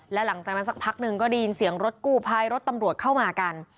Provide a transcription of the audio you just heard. และหลังจากนั้นสักพักหนึ่งก็ได้ยินเสียงรถกู้ภัยรถตำรวจเข้ามากัน